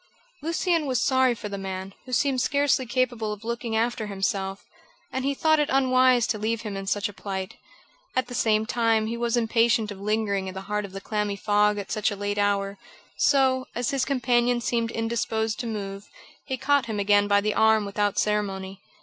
Lucian was sorry for the man, who seemed scarcely capable of looking after himself, and he thought it unwise to leave him in such a plight. At the same time, he was impatient of lingering in the heart of the clammy fog at such a late hour; so, as his companion seemed indisposed to move, he caught him again by the arm without ceremony.